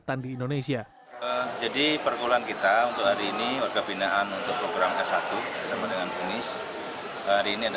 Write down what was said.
dan harapan kami semangat mereka yang sudah hampir dua minggu kita di sini